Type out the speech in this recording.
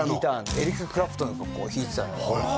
エリック・クラプトンなんかを弾いてたのよ